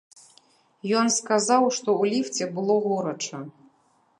Ён сказаў, што ў ліфце было горача.